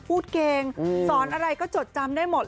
พูดเก่งสอนอะไรก็จดจำได้หมด